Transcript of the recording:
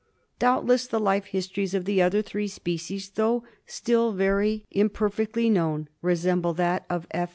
Doubtless the life histories of the other three species, though still very imper fectly known, resemble that oi F.